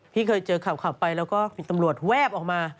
พี่เคยเจอขับไปแล้วก็มีตำรวจแวบออกมา